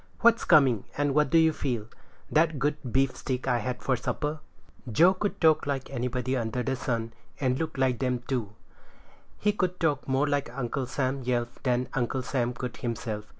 "What's coming, and what do you feel?" "That good beefsteak I had for supper." Joe could talk like anybody under heaven, and look like them too. He could talk more like Uncle Sam Yelf than Uncle Sam could himself.